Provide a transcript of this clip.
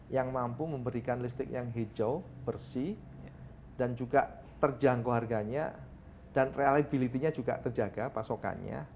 yang mampu memberikan listrik yang hijau bersih dan juga terjangkau harganya dan reliability nya juga terjaga pasokannya